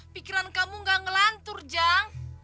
pikiran kamu gak ngelantur jang